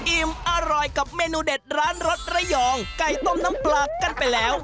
อิ่มอร่อยกับเมนูเด็ดร้านรสระยองไก่ต้มน้ำปลากันไปแล้ว